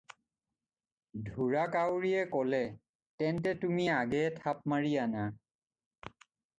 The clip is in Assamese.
"ঢোঁৰাকাউৰীয়ে ক'লে- "তেন্তে তুমি আগেয়ে থাপ মাৰি আনা।"